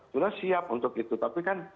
sudah siap untuk itu tapi kan